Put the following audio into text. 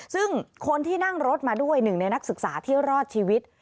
ซึ่งคนที่นั่งรถมาด้วยหนึ่งในนักศึกษาที่รอดชีวิต